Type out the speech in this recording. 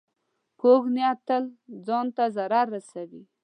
کوږ نیت تل ځان ته ضرر رسوي